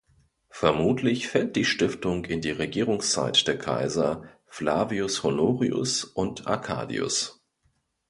Vermutlich fällt die Stiftung in die Regierungszeit der Kaiser Flavius Honorius und Arcadius.